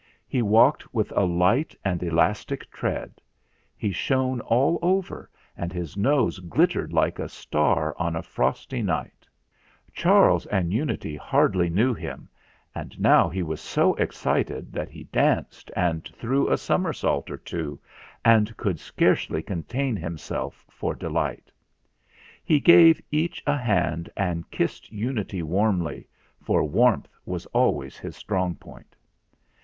He walked with a light and elastic tread. He shone all over, and his nose glittered like a star on a frosty night. In the midst tripped the hot water bottle ZAGABOG'S MESSAGE 321 Charles and Unity hardly knew him, and now he was so excited that he danced and threw a somersault or two, and could scarcely contain himself for delight. He gave each a hand and kissed Unity warmly, for warmth was always his strong point.